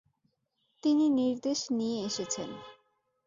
তিনি নির্দেশ নিয়ে এসেছেন।